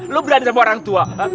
lu berani sama orang tua